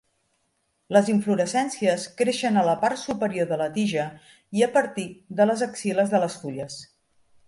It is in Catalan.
Les inflorescències creixen a la part superior de la tija i a partir de les axil·les de les fulles.